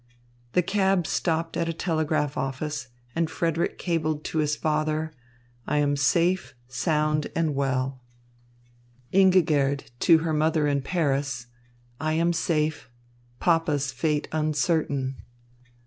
The cab stopped at a telegraph office, and Frederick cabled to his father, "I am safe, sound, and well;" Ingigerd to her mother in Paris, "I am safe. Papa's fate uncertain."